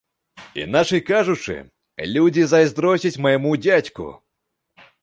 Іначай кажучы, людзі зайздросцяць майму дзядзьку.